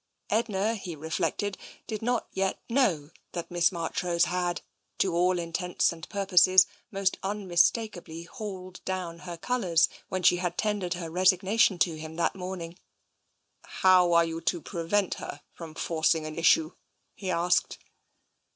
Edna, he reflected, did not yet know that Miss Marchrose had, to all intents and purposes, most unmistakably hauled down her colours when she had tendered her resigna tion to him that morning. " How are you to prevent her from forcing an issue?" he asked.